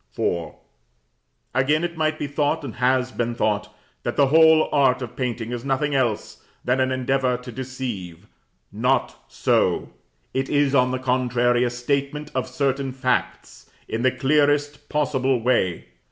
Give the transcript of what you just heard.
IV. Again, it might be thought, and has been thought, that the whole art of painting is nothing else than an endeavor to deceive. Not so: it is, on the contrary, a statement of certain facts, in the clearest possible way.